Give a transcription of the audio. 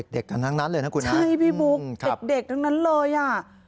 กันทั้งนั้นเลยนะคุณนะใช่พี่บุ๊คเด็กทั้งนั้นเลยอ่ะ